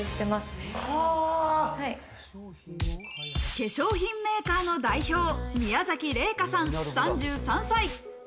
化粧品メーカーの代表・宮崎麗果さん、３３歳。